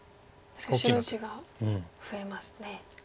確かに白地が増えますね。